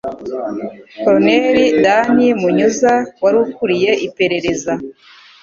Colonel Dan Munyuza wari ukuriye iperereza